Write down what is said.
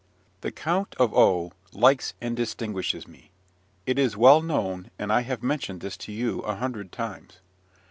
The Count of O likes and distinguishes me. It is well known, and I have mentioned this to you a hundred times.